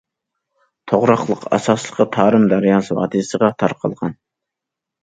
توغراقلىق، ئاساسلىقى تارىم دەرياسى ۋادىسىغا تارقالغان.